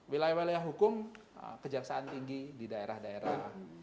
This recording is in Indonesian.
wilayah wilayah hukum kejaksaan tinggi di daerah daerah